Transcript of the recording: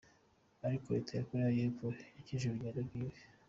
Ariko leta ya Korea Yepfo yakeje urugendo rwiwe.